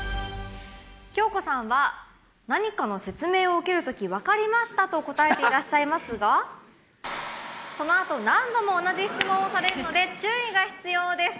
京子さんは何かの説明を受ける時「わかりました」と答えていらっしゃいますがそのあと何度も同じ質問をされるので注意が必要です。